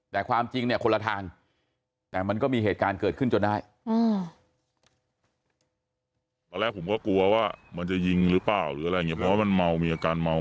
แต่ความจริงเนี่ยคนละทางแต่มันก็มีเหตุการณ์เกิดขึ้นจนได้